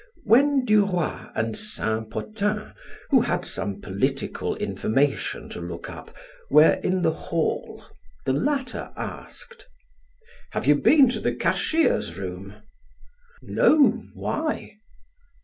When Duroy and Saint Potin, who had some political information to look up, were in the hall, the latter asked: "Have you been to the cashier's room?" "No, why?"